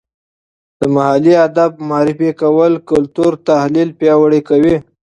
د محلي ادب معرفي کول کلتوري تحلیل پیاوړی کوي.